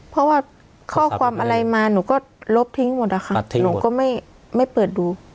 เพราะว่าข้อความอะไรมาหนูก็ลบทิ้งหมดอะค่ะหนูก็ไม่เปิดดู